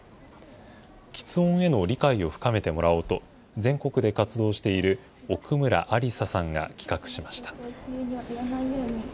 きつ音への理解を深めてもらおうと、全国で活動している奥村安莉沙さんが企画しました。